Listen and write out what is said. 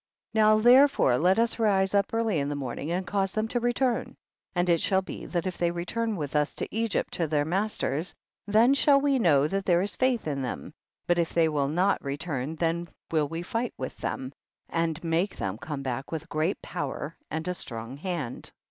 1 0. Now therefore let us rise up early in the morning and cause them to return, and it shall be that if they return with us to Egypt to their mas ters, then shall we know that there is faith in them, but if they will not return, then will we fight with them, and make them come back with great power and a strong hand.